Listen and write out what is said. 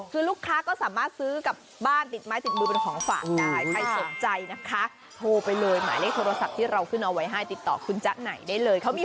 คือลูกค้าก็สามารถซื้อกับบ้านติดไม้สิทธิ์มือเป็นของฝากได้